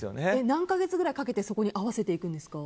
何か月ぐらいかけてそこに合わせていくんですか。